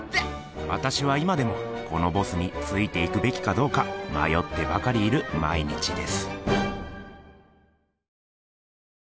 わたしは今でもこのボスについていくべきかどうかまよってばかりいる毎日です。